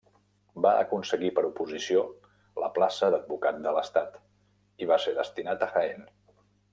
Va aconseguir per oposició la plaça d'advocat de l'Estat, i va ser destinat a Jaén.